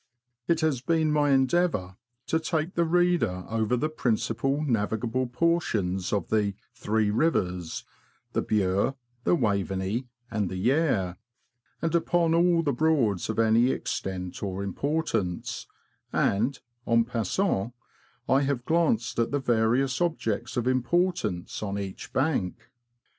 It has been my endeavour to take the reader over the principal navigable portions of the " Three Rivers "— the Bure, the Waveney. and the Yare —■ M358754 PREFACE TO FIRST EDITION. and upon all the Broads of any extent or importance ; and, en passant^ I have glanced at the various objects of importance on each bank.